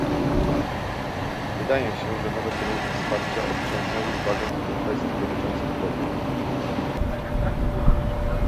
Wydaje się, że nowe kierunki wsparcia odciągnęły uwagę od kwestii dotyczących kobiet